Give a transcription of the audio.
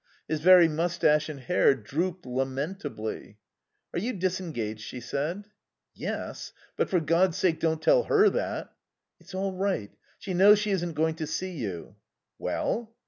His very moustache and hair drooped lamentably. "Are you disengaged?" she said. "Yes. But for God's sake don't tell her that." "It's all right. She knows she isn't going to see you." "Well?"